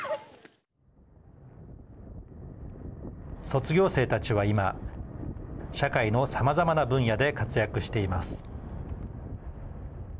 卒業生たちは今社会のさまざまな分野で活躍しています。